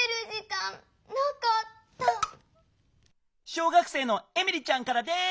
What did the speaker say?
小学生のエミリちゃんからです！